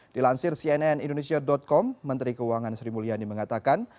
dilansir cnn indonesia com menteri keuangan sri mulyani mengatakan